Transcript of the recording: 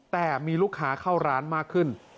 แต่มีลูกค้าเข้าร้านมากขึ้น